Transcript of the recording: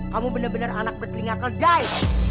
kamu benar benar anak berkelingak ldai